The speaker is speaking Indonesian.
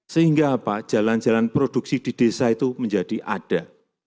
sehingga apa jalan jalan produksi di desa itu menjadi ada